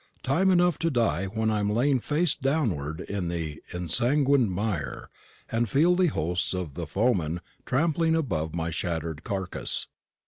Time enough to die when I am lying face downward in the ensanguined mire, and feel the hosts of the foemen trampling above my shattered carcass.